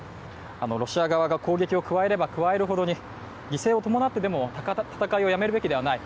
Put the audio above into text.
ロシア側が攻撃を加えれば加えるほどに犠牲を伴ってでも戦いをやめるべきではない。